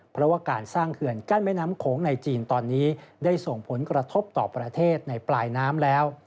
เพราะว่าการสร้างเขื่อนกั้นแม่น้ำโขงในจีนตอนนี้ได้ส่งผลกระทบต่อประเทศในปลายน้ำแล้ว